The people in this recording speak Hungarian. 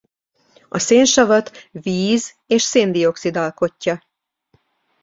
A szénsavat víz és szén-dioxid alkotja.